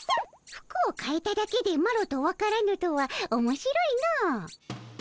服をかえただけでマロと分からぬとはおもしろいのう。